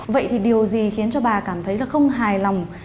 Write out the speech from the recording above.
vậy thì điều gì khiến cho bà cảm thấy là không hài lòng